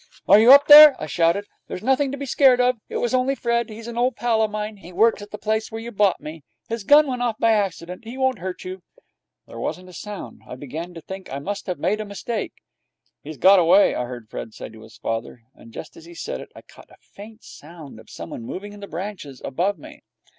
'Are you up there?' I shouted. 'There's nothing to be scared at. It was only Fred. He's an old pal of mine. He works at the place where you bought me. His gun went off by accident. He won't hurt you.' There wasn't a sound. I began to think I must have made a mistake. 'He's got away,' I heard Fred say to his father, and just as he said it I caught a faint sound of someone moving in the branches above me.